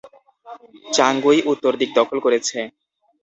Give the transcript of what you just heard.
চাংগুই উত্তর দিক দখল করেছে।